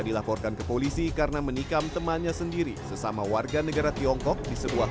dilaporkan ke polisi karena menikam temannya sendiri sesama warga negara tiongkok di sebuah